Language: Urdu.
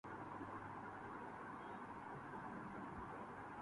اردو صحافت کا ایک دبستان ہے جو جناب الطاف حسن قریشی سے معنون ہے۔